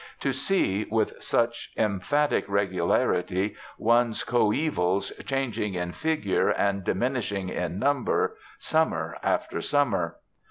To see, with such emphatic regularity, one's coevals changing in figure, and diminishing in number, summer after summer!....